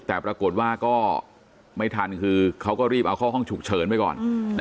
แต่ปรากฏว่าก็ไม่ทันคือเขาก็รีบเอาเข้าห้องฉุกเฉินไปก่อน